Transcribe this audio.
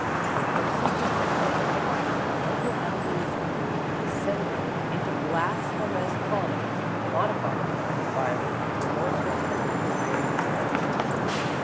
From simple profanity, Uncle Ebeneezer descended into blasphemous comment, modified at times by remorseful tenderness toward the dead.